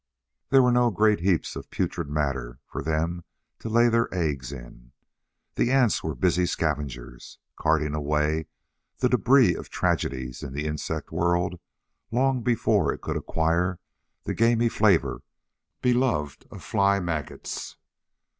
There were no great heaps of putrid matter for them to lay their eggs in. The ants were busy scavengers, carting away the debris of tragedies in the insect world long before it could acquire the gamey flavor beloved of fly maggots.